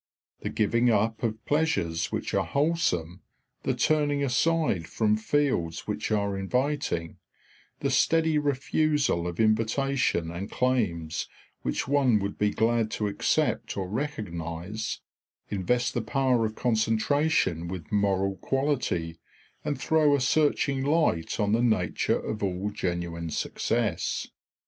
The giving up of pleasures which are wholesome, the turning aside from fields which are inviting, the steady refusal of invitations and claims which one would be glad to accept or recognise, invest the power of concentration with moral quality, and throw a searching light on the nature of all genuine success.